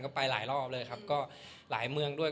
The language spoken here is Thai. ก็ไปหลายรอบเลยครับก็หลายเมืองด้วย